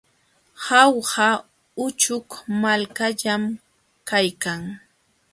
Jauja uchuk malkallam kaykan.